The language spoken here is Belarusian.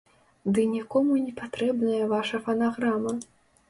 Ды нікому не патрэбная ваша фанаграма!